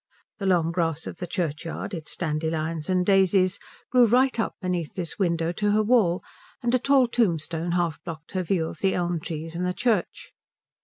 The long grass of the churchyard, its dandelions and daisies, grew right up beneath this window to her wall, and a tall tombstone half blocked her view of the elm trees and the church.